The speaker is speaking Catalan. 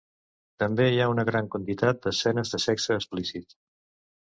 També hi ha una gran quantitat d'escenes de sexe explícit.